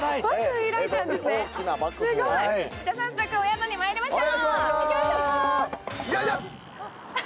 じゃあ、早速、お宿にまいりましょう。